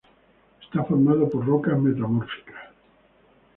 Está formado por rocas metamórficas.